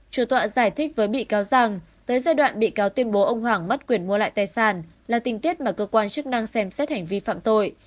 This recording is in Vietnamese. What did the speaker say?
chủ tọa giải thích với bị cáo rằng tới giai đoạn bị cáo tuyên bố ông hoàng mất quyền mua lại tài sản là tình tiết mà cơ quan chức năng xem xét hành vi phạm tội